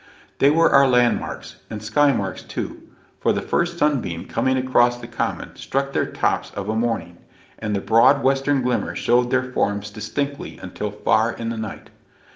They were our landmarks and skymarks too for the first sunbeam coming across the common struck their tops of a morning, and the broad western glimmer showed their forms distinctly until far in the night.